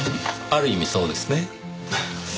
ある意味そうですね。